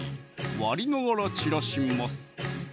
割りながら散らします